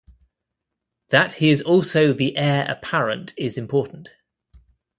That he is also the heir apparent is important.